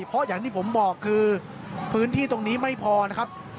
เพราะอย่างที่ผมบอกคือพื้นที่ตรงนี้ไม่พอนะครับ